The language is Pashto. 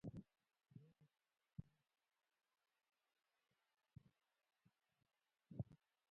دا د خوشالۍ او یو له بله د بښنې غوښتلو ورځ ده.